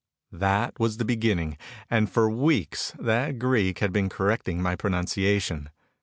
That was the beginning and for weeks that Greek has been correcting my pronunciation.